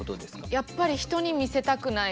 やっぱり人に見せたくない。